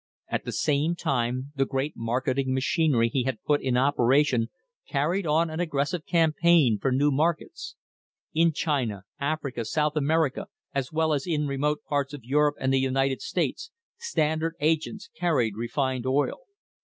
At the same time the great marketing machinery he had put in operation carried on an aggressive campaign for new markets. In China, Africa, South America, as well as in remote parts of Europe and the United States, Standard agents carried refined oil.